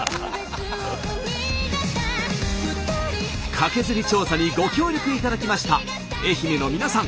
カケズリ調査にご協力いただきました愛媛の皆さん